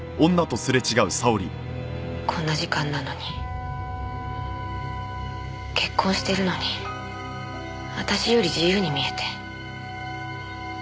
こんな時間なのに結婚してるのに私より自由に見えて。